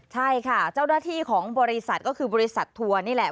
ใช่ค่ะเจ้าหน้าที่ของบริษัทก็คือบริษัททัวร์นี่แหละ